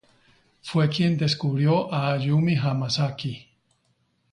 Fue quien descubrió a Ayumi Hamasaki.